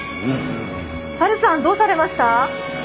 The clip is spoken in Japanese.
ハルさんどうされました？